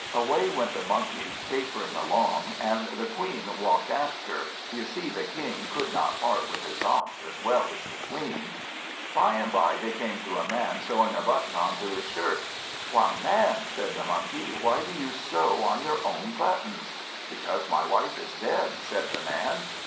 Away went the Monkey, capering along, and the Queen walked after (you see the King could not part with his ox as well as the Queen). By and by they came to a Man sewing a button on to his shirt. "Why, Man," said the Monkey, "why do you sew on your own buttons?" "Because my wife is dead," said the Man.